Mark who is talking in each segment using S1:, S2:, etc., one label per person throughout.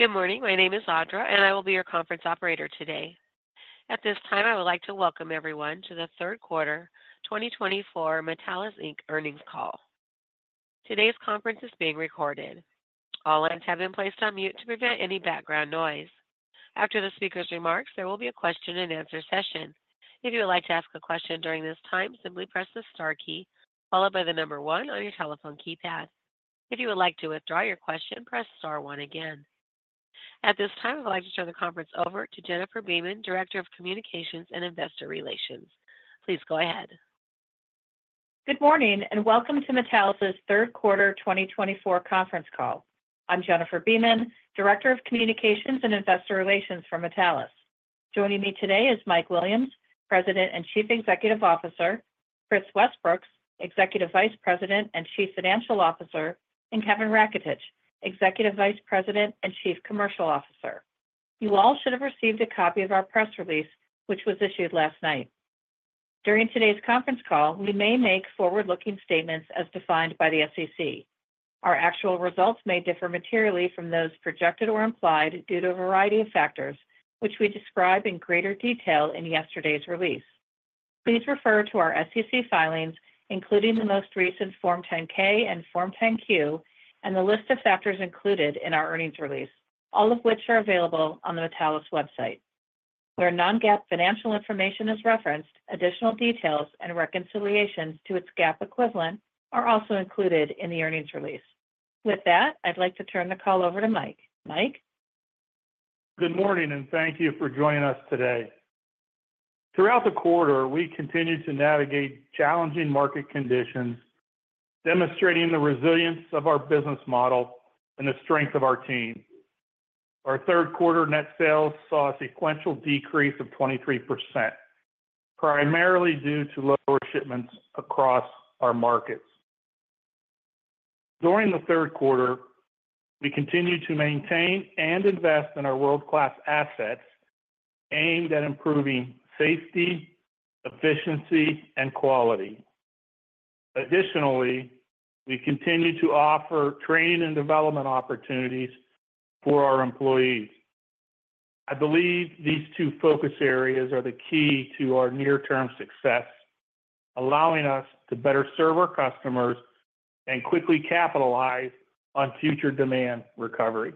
S1: Good morning. My name is Audra, and I will be your conference operator today. At this time, I would like to welcome everyone to the third quarter 2024 Metallus Inc. earnings call. Today's conference is being recorded. All lines have been placed on mute to prevent any background noise. After the speaker's remarks, there will be a question-and-answer session. If you would like to ask a question during this time, simply press the star key followed by the number one on your telephone keypad. If you would like to withdraw your question, press star one again. At this time, I'd like to turn the conference over to Jennifer Beeman, Director of Communications and Investor Relations. Please go ahead.
S2: Good morning and welcome to Metallus' third quarter 2024 conference call. I'm Jennifer Beeman, Director of Communications and Investor Relations for Metallus. Joining me today is Mike Williams, President and Chief Executive Officer, Kris Westbrooks, Executive Vice President and Chief Financial Officer, and Kevin Raketich, Executive Vice President and Chief Commercial Officer. You all should have received a copy of our press release, which was issued last night. During today's conference call, we may make forward-looking statements as defined by the SEC. Our actual results may differ materially from those projected or implied due to a variety of factors, which we described in greater detail in yesterday's release. Please refer to our SEC filings, including the most recent Form 10-K and Form 10-Q, and the list of factors included in our earnings release, all of which are available on the Metallus website. Where non-GAAP financial information is referenced, additional details and reconciliations to its GAAP equivalent are also included in the earnings release. With that, I'd like to turn the call over to Mike. Mike?
S3: Good morning and thank you for joining us today. Throughout the quarter, we continued to navigate challenging market conditions, demonstrating the resilience of our business model and the strength of our team. Our third quarter net sales saw a sequential decrease of 23%, primarily due to lower shipments across our markets. During the third quarter, we continued to maintain and invest in our world-class assets, aimed at improving safety, efficiency, and quality. Additionally, we continue to offer training and development opportunities for our employees. I believe these two focus areas are the key to our near-term success, allowing us to better serve our customers and quickly capitalize on future demand recovery.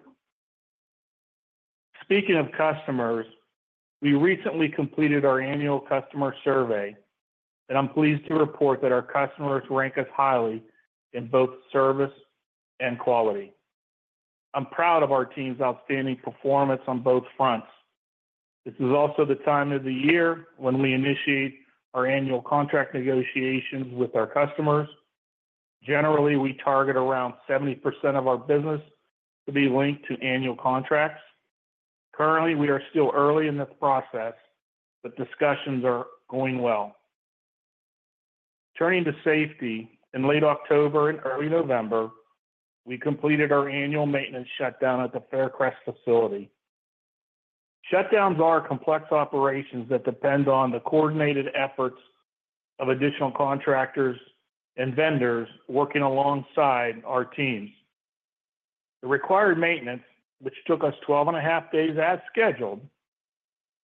S3: Speaking of customers, we recently completed our annual customer survey, and I'm pleased to report that our customers rank us highly in both service and quality. I'm proud of our team's outstanding performance on both fronts. This is also the time of the year when we initiate our annual contract negotiations with our customers. Generally, we target around 70% of our business to be linked to annual contracts. Currently, we are still early in this process, but discussions are going well. Turning to safety, in late October and early November, we completed our annual maintenance shutdown at the Faircrest facility. Shutdowns are complex operations that depend on the coordinated efforts of additional contractors and vendors working alongside our teams. The required maintenance, which took us 12 and a half days as scheduled,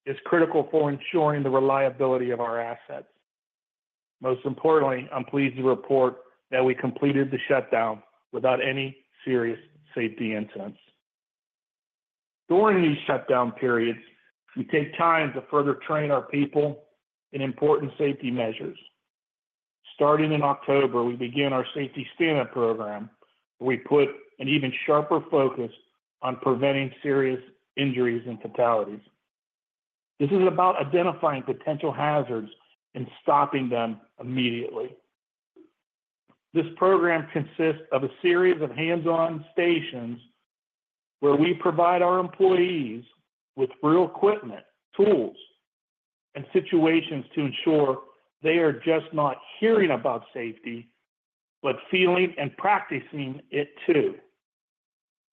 S3: is critical for ensuring the reliability of our assets. Most importantly, I'm pleased to report that we completed the shutdown without any serious safety incidents. During these shutdown periods, we take time to further train our people in important safety measures. Starting in October, we begin our safety stand-down program, where we put an even sharper focus on preventing serious injuries and fatalities. This is about identifying potential hazards and stopping them immediately. This program consists of a series of hands-on stations where we provide our employees with real equipment, tools, and situations to ensure they are just not hearing about safety, but feeling and practicing it too.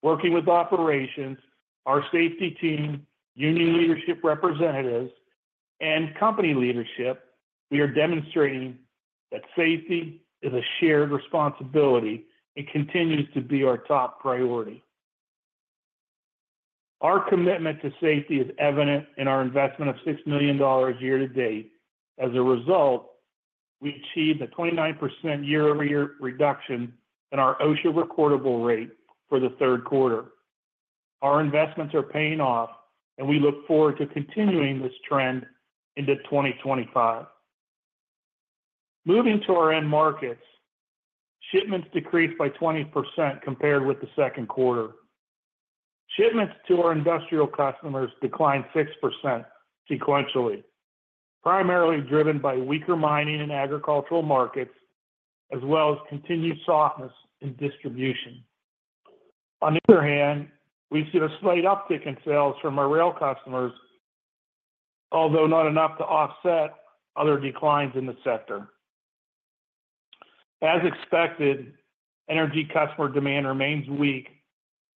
S3: Working with operations, our safety team, union leadership representatives, and company leadership, we are demonstrating that safety is a shared responsibility and continues to be our top priority. Our commitment to safety is evident in our investment of $6 million year to date. As a result, we achieved a 29% year-over-year reduction in our OSHA recordable rate for the third quarter. Our investments are paying off, and we look forward to continuing this trend into 2025. Moving to our end markets, shipments decreased by 20% compared with the second quarter. Shipments to our industrial customers declined 6% sequentially, primarily driven by weaker mining and agricultural markets, as well as continued softness in distribution. On the other hand, we see a slight uptick in sales from our rail customers, although not enough to offset other declines in the sector. As expected, energy customer demand remains weak,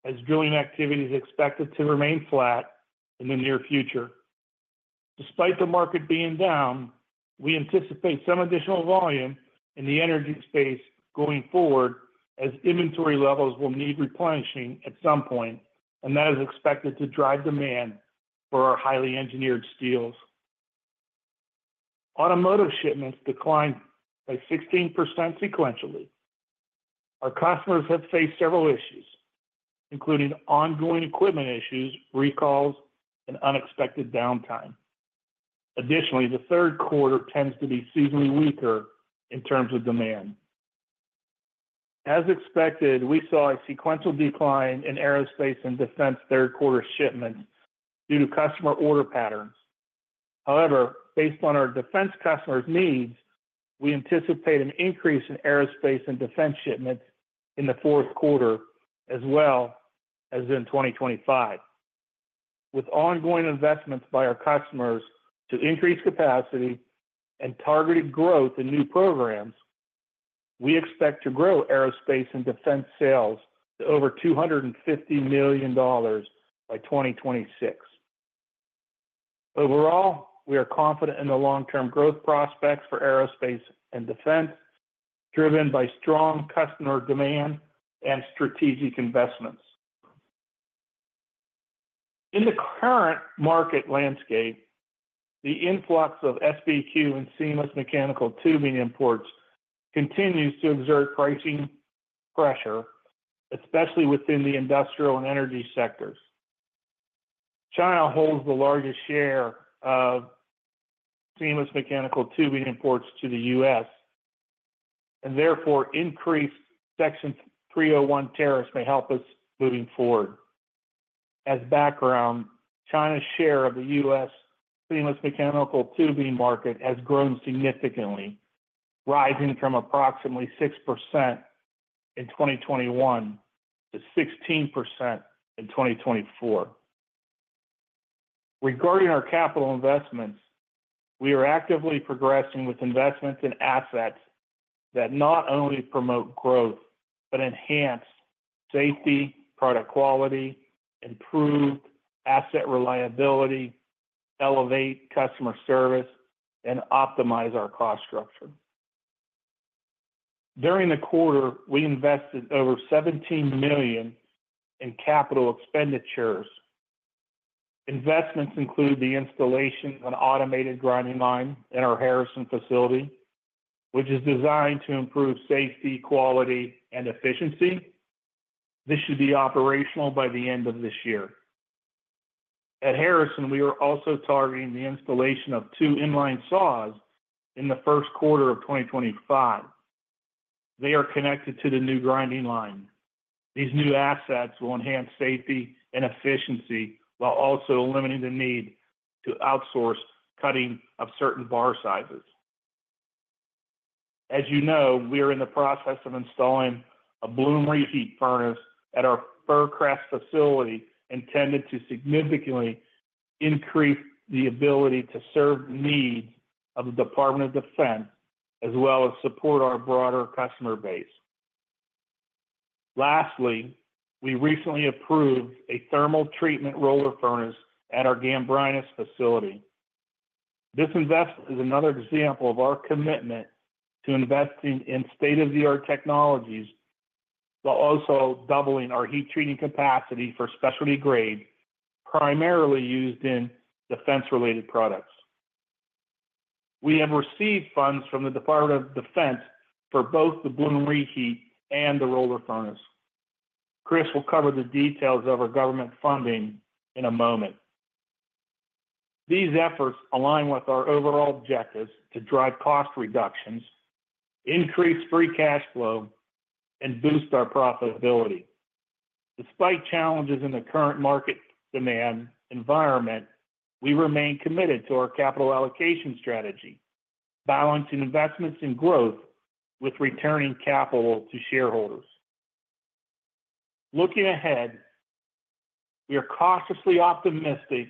S3: as drilling activity is expected to remain flat in the near future. Despite the market being down, we anticipate some additional volume in the energy space going forward, as inventory levels will need replenishing at some point, and that is expected to drive demand for our highly engineered steels. Automotive shipments declined by 16% sequentially. Our customers have faced several issues, including ongoing equipment issues, recalls, and unexpected downtime. Additionally, the third quarter tends to be seasonally weaker in terms of demand. As expected, we saw a sequential decline in aerospace and defense third-quarter shipments due to customer order patterns. However, based on our defense customers' needs, we anticipate an increase in aerospace and defense shipments in the fourth quarter, as well as in 2025. With ongoing investments by our customers to increase capacity and targeted growth in new programs, we expect to grow aerospace and defense sales to over $250 million by 2026. Overall, we are confident in the long-term growth prospects for aerospace and defense, driven by strong customer demand and strategic investments. In the current market landscape, the influx of SBQ and seamless mechanical tubing imports continues to exert pricing pressure, especially within the industrial and energy sectors. China holds the largest share of seamless mechanical tubing imports to the U.S., and therefore, increased Section 301 tariffs may help us moving forward. As background, China's share of the U.S. seamless mechanical tubing market has grown significantly, rising from approximately 6% in 2021 to 16% in 2024. Regarding our capital investments, we are actively progressing with investments in assets that not only promote growth but enhance safety, product quality, improve asset reliability, elevate customer service, and optimize our cost structure. During the quarter, we invested over $17 million in capital expenditures. Investments include the installation of an automated grinding line in our Harrison facility, which is designed to improve safety, quality, and efficiency. This should be operational by the end of this year. At Harrison, we are also targeting the installation of two inline saws in the first quarter of 2025. They are connected to the new grinding line. These new assets will enhance safety and efficiency while also eliminating the need to outsource cutting of certain bar sizes. As you know, we are in the process of installing a Bloom reheat furnace at our Faircrest facility, intended to significantly increase the ability to serve the needs of the Department of Defense, as well as support our broader customer base. Lastly, we recently approved a thermal treatment roller furnace at our Gambrinus facility. This investment is another example of our commitment to investing in state-of-the-art technologies, while also doubling our heat treating capacity for specialty grade, primarily used in defense-related products. We have received funds from the Department of Defense for both the Bloom reheat and the roller furnace. Kris will cover the details of our government funding in a moment. These efforts align with our overall objectives to drive cost reductions, increase free cash flow, and boost our profitability. Despite challenges in the current market demand environment, we remain committed to our capital allocation strategy, balancing investments and growth with returning capital to shareholders. Looking ahead, we are cautiously optimistic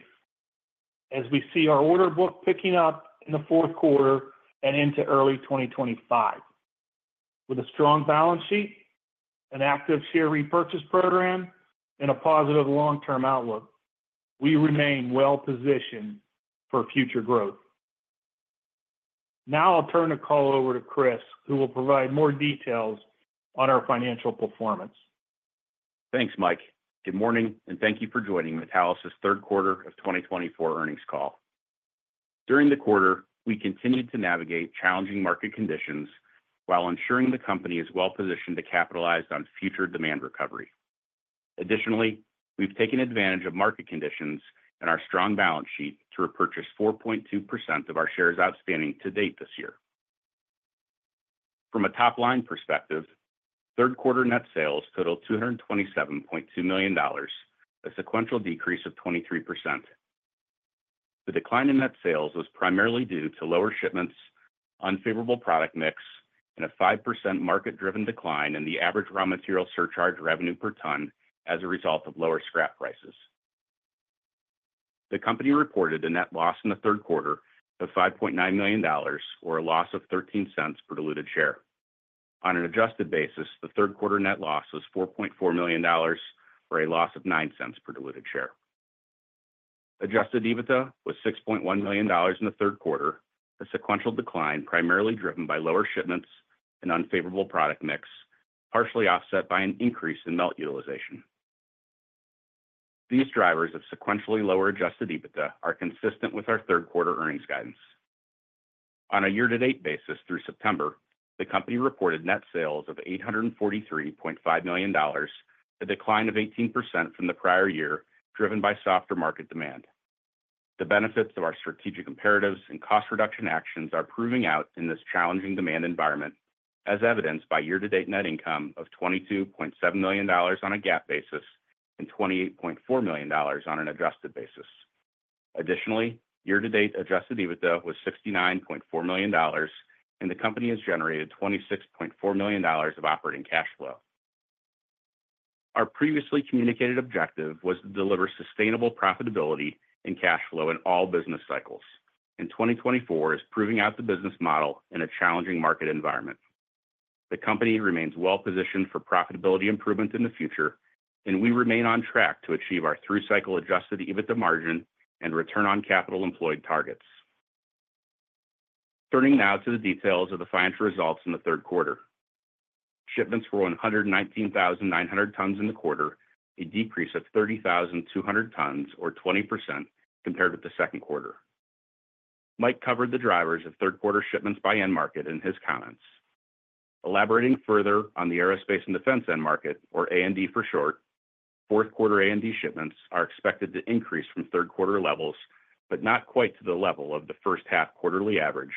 S3: as we see our order book picking up in the fourth quarter and into early 2025. With a strong balance sheet, an active share repurchase program, and a positive long-term outlook, we remain well-positioned for future growth. Now I'll turn the call over to Kris, who will provide more details on our financial performance.
S4: Thanks, Mike. Good morning and thank you for joining Metallus' third quarter of 2024 earnings call. During the quarter, we continued to navigate challenging market conditions while ensuring the company is well-positioned to capitalize on future demand recovery. Additionally, we've taken advantage of market conditions and our strong balance sheet to repurchase 4.2% of our shares outstanding to date this year. From a top-line perspective, third-quarter net sales totaled $227.2 million, a sequential decrease of 23%. The decline in net sales was primarily due to lower shipments, unfavorable product mix, and a 5% market-driven decline in the average raw material surcharge revenue per ton as a result of lower scrap prices. The company reported a net loss in the third quarter of $5.9 million, or a loss of $0.13 per diluted share. On an adjusted basis, the third-quarter net loss was $4.4 million for a loss of $0.09 per diluted share. Adjusted EBITDA was $6.1 million in the third quarter, a sequential decline primarily driven by lower shipments and unfavorable product mix, partially offset by an increase in melt utilization. These drivers of sequentially lower Adjusted EBITDA are consistent with our third-quarter earnings guidance. On a year-to-date basis through September, the company reported net sales of $843.5 million, a decline of 18% from the prior year driven by softer market demand. The benefits of our strategic imperatives and cost reduction actions are proving out in this challenging demand environment, as evidenced by year-to-date net income of $22.7 million on a GAAP basis and $28.4 million on an adjusted basis. Additionally, year-to-date Adjusted EBITDA was $69.4 million, and the company has generated $26.4 million of operating cash flow. Our previously communicated objective was to deliver sustainable profitability and cash flow in all business cycles, and 2024 is proving out the business model in a challenging market environment. The company remains well-positioned for profitability improvement in the future, and we remain on track to achieve our three-cycle Adjusted EBITDA margin and return on capital employed targets. Turning now to the details of the financial results in the third quarter. Shipments were 119,900 tons in the quarter, a decrease of 30,200 tons, or 20% compared with the second quarter. Mike covered the drivers of third-quarter shipments by end market in his comments. Elaborating further on the aerospace and defense end market, or A&D for short, fourth-quarter A&D shipments are expected to increase from third-quarter levels, but not quite to the level of the first half quarterly average,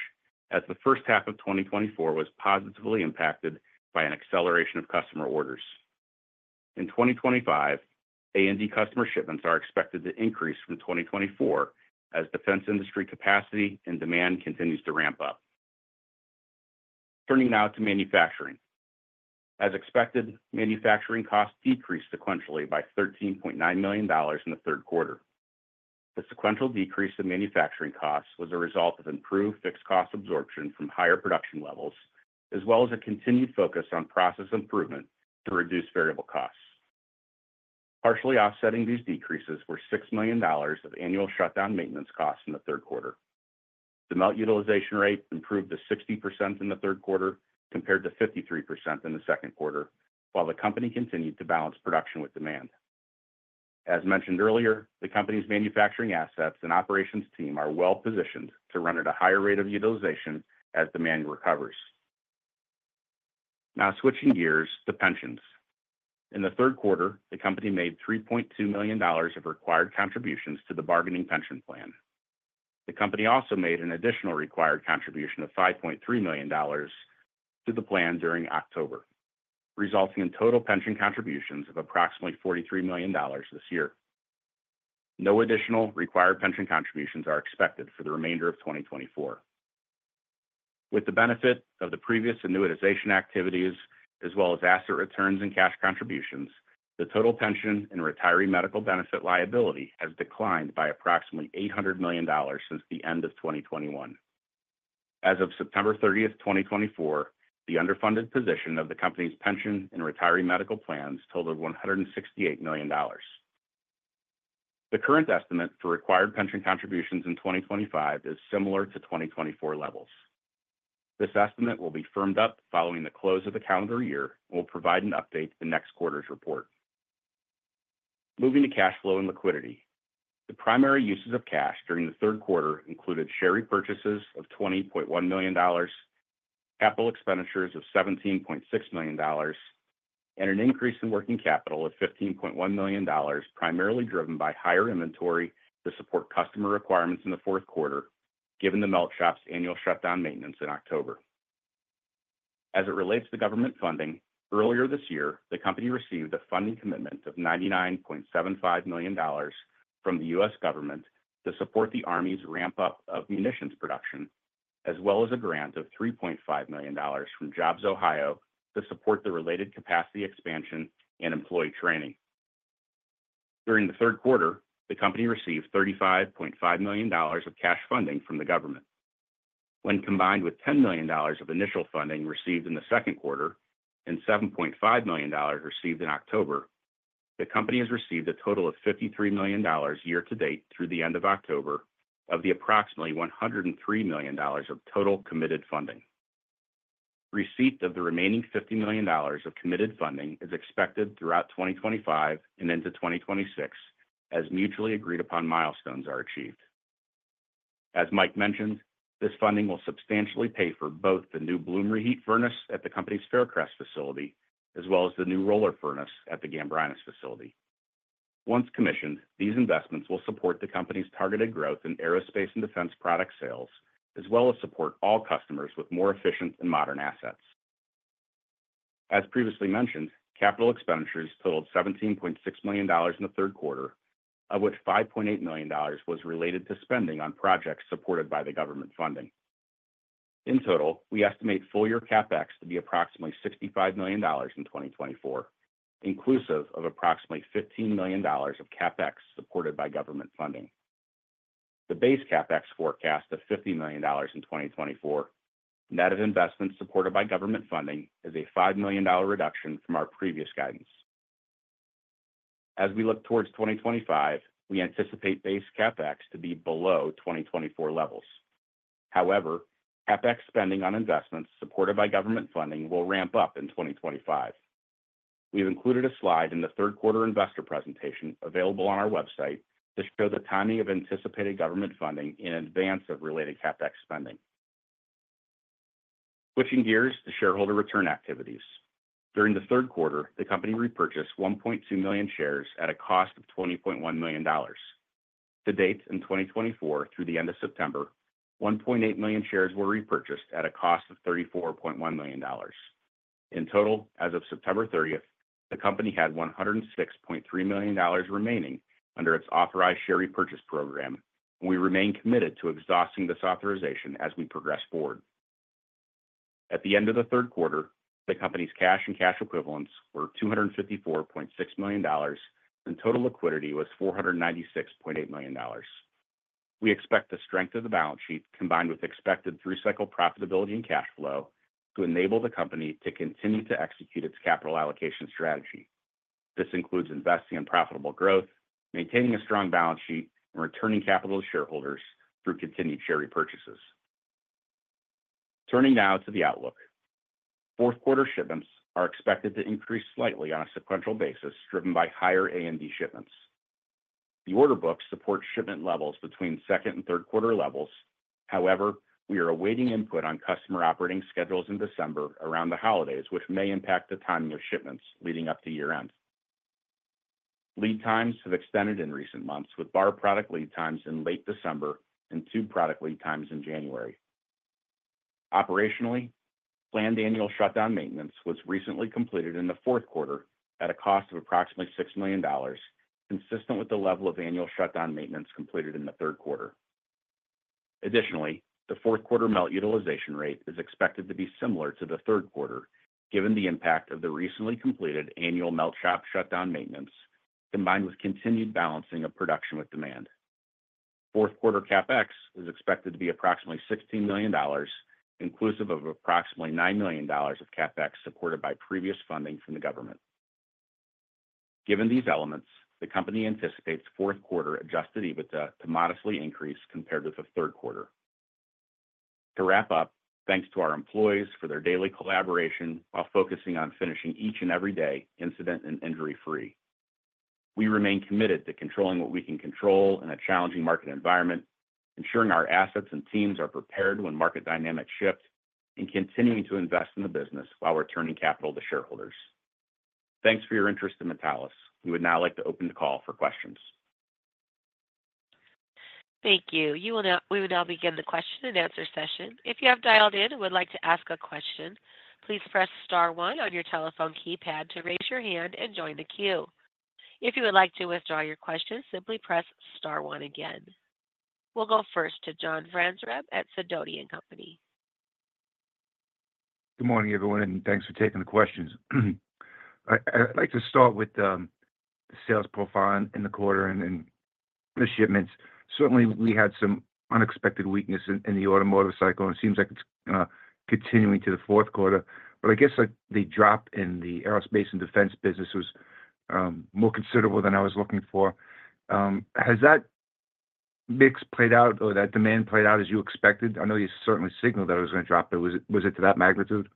S4: as the first half of 2024 was positively impacted by an acceleration of customer orders. In 2025, A&D customer shipments are expected to increase from 2024, as defense industry capacity and demand continues to ramp up. Turning now to manufacturing. As expected, manufacturing costs decreased sequentially by $13.9 million in the third quarter. The sequential decrease in manufacturing costs was a result of improved fixed cost absorption from higher production levels, as well as a continued focus on process improvement to reduce variable costs. Partially offsetting these decreases were $6 million of annual shutdown maintenance costs in the third quarter. The melt utilization rate improved to 60% in the third quarter compared to 53% in the second quarter, while the company continued to balance production with demand. As mentioned earlier, the company's manufacturing assets and operations team are well-positioned to run at a higher rate of utilization as demand recovers. Now switching gears to pensions. In the third quarter, the company made $3.2 million of required contributions to the bargaining pension plan. The company also made an additional required contribution of $5.3 million to the plan during October, resulting in total pension contributions of approximately $43 million this year. No additional required pension contributions are expected for the remainder of 2024. With the benefit of the previous annuitization activities, as well as asset returns and cash contributions, the total pension and retiree medical benefit liability has declined by approximately $800 million since the end of 2021. As of September 30th, 2024, the underfunded position of the company's pension and retiree medical plans totaled $168 million. The current estimate for required pension contributions in 2025 is similar to 2024 levels. This estimate will be firmed up following the close of the calendar year and will provide an update to the next quarter's report. Moving to cash flow and liquidity. The primary uses of cash during the third quarter included share repurchases of $20.1 million, capital expenditures of $17.6 million, and an increase in working capital of $15.1 million, primarily driven by higher inventory to support customer requirements in the fourth quarter, given the melt shop's annual shutdown maintenance in October. As it relates to government funding, earlier this year, the company received a funding commitment of $99.75 million from the U.S. government to support the Army's ramp-up of munitions production, as well as a grant of $3.5 million from JobsOhio to support the related capacity expansion and employee training. During the third quarter, the company received $35.5 million of cash funding from the government. When combined with $10 million of initial funding received in the second quarter and $7.5 million received in October, the company has received a total of $53 million year-to-date through the end of October of the approximately $103 million of total committed funding. Receipt of the remaining $50 million of committed funding is expected throughout 2025 and into 2026 as mutually agreed-upon milestones are achieved. As Mike mentioned, this funding will substantially pay for both the new Bloom reheat furnace at the company's Faircrest facility, as well as the new roller furnace at the Gambrinus facility. Once commissioned, these investments will support the company's targeted growth in aerospace and defense product sales, as well as support all customers with more efficient and modern assets. As previously mentioned, capital expenditures totaled $17.6 million in the third quarter, of which $5.8 million was related to spending on projects supported by the government funding. In total, we estimate full-year CapEx to be approximately $65 million in 2024, inclusive of approximately $15 million of CapEx supported by government funding. The base CapEx forecast of $50 million in 2024, net of investments supported by government funding, is a $5 million reduction from our previous guidance. As we look towards 2025, we anticipate base CapEx to be below 2024 levels. However, CapEx spending on investments supported by government funding will ramp up in 2025. We've included a slide in the third-quarter investor presentation available on our website to show the timing of anticipated government funding in advance of related CapEx spending. Switching gears to shareholder return activities. During the third quarter, the company repurchased 1.2 million shares at a cost of $20.1 million. To date, in 2024 through the end of September, 1.8 million shares were repurchased at a cost of $34.1 million. In total, as of September 30, the company had $106.3 million remaining under its authorized share repurchase program, and we remain committed to exhausting this authorization as we progress forward. At the end of the third quarter, the company's cash and cash equivalents were $254.6 million, and total liquidity was $496.8 million. We expect the strength of the balance sheet combined with expected three-cycle profitability and cash flow to enable the company to continue to execute its capital allocation strategy. This includes investing in profitable growth, maintaining a strong balance sheet, and returning capital to shareholders through continued share repurchases. Turning now to the outlook. Fourth-quarter shipments are expected to increase slightly on a sequential basis driven by higher A&D shipments. The order book supports shipment levels between second and third quarter levels. However, we are awaiting input on customer operating schedules in December around the holidays, which may impact the timing of shipments leading up to year-end. Lead times have extended in recent months, with bar product lead times in late December and tube product lead times in January. Operationally, planned annual shutdown maintenance was recently completed in the fourth quarter at a cost of approximately $6 million, consistent with the level of annual shutdown maintenance completed in the third quarter. Additionally, the fourth-quarter melt utilization rate is expected to be similar to the third quarter, given the impact of the recently completed annual melt shop shutdown maintenance combined with continued balancing of production with demand. Fourth-quarter CapEx is expected to be approximately $16 million, inclusive of approximately $9 million of CapEx supported by previous funding from the government. Given these elements, the company anticipates fourth-quarter Adjusted EBITDA to modestly increase compared with the third quarter. To wrap up, thanks to our employees for their daily collaboration while focusing on finishing each and every day incident and injury-free. We remain committed to controlling what we can control in a challenging market environment, ensuring our assets and teams are prepared when market dynamics shift, and continuing to invest in the business while returning capital to shareholders. Thanks for your interest in Metallus. We would now like to open the call for questions.
S1: Thank you. We will now begin the question-and-answer session. If you have dialed in and would like to ask a question, please press star one on your telephone keypad to raise your hand and join the queue. If you would like to withdraw your question, simply press star one again. We'll go first to John Franzreb at Sidoti & Company.
S5: Good morning, everyone, and thanks for taking the questions. I'd like to start with the sales profile in the quarter and the shipments. Certainly, we had some unexpected weakness in the automotive cycle, and it seems like it's continuing to the fourth quarter. But I guess the drop in the aerospace and defense business was more considerable than I was looking for. Has that mix played out or that demand played out as you expected? I know you certainly signaled that it was going to drop, but was it to that magnitude?